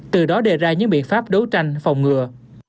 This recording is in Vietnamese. từ đó đề ra những biện pháp đấu tranh phòng ngừa